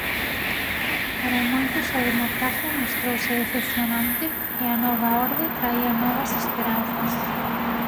Para moitos a democracia mostrouse decepcionante e a Nova Orde traía novas esperanzas.